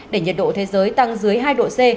để nhiệt độ thế giới tăng dưới hai độ c